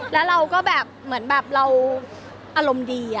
แล้วเราก็แบบเหมือนแบบเราอารมณ์ดี